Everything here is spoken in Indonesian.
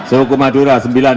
suku madura sembilan